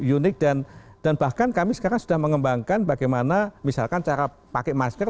unik dan bahkan kami sekarang sudah mengembangkan bagaimana misalkan cara pakai masker